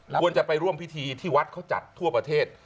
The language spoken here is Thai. แล้วสอนจะไปร่วมพิธีที่หวัดจัดทั่วประเทศ